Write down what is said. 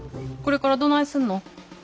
これからどないすんの？